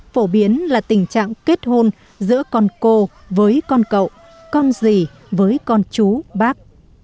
phổ biến là tình trạng kết hôn giữa con cô với con cậu con gì với con chú bác